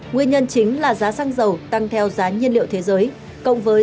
nguyên nhân chính là giá xăng dầu tăng theo giá nhiên liệu thế giới